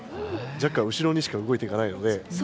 ジャックは後ろにしか動いていかないので。